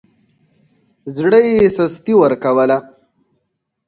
زړه يې سستي ورکوله.